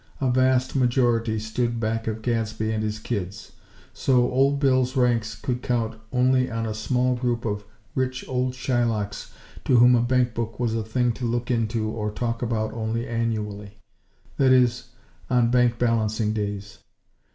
A vast majority stood back of Gadsby and his kids; so, old Bill's ranks could count only on a small group of rich old Shylocks to whom a bank book was a thing to look into or talk about only annually; that is, on bank balancing days.